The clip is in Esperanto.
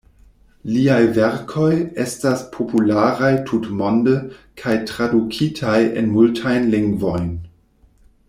Liaj verkoj estas popularaj tutmonde kaj tradukitaj en multajn lingvojn.